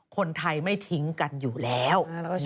คนไทยไม่ทิ้งกันอยู่แล้ว